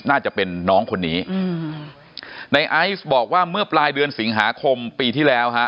น่าจะเป็นน้องคนนี้อืมในไอซ์บอกว่าเมื่อปลายเดือนสิงหาคมปีที่แล้วฮะ